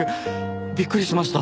びっくりしました。